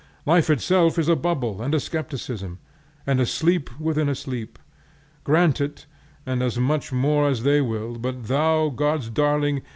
Life itself is a bubble and a skepticism, and a sleep within a sleep. Grant it, and as much more as they will, but thou, God's darling!